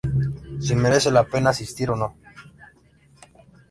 si merece la pena asistir o no